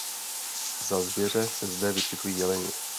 Za zvěře se zde vyskytují jeleni.